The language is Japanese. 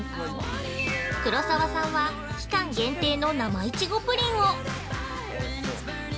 ◆黒沢さんは期間限定の生いちごプリンを。